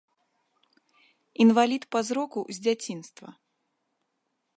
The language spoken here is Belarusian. Інвалід па зроку з дзяцінства.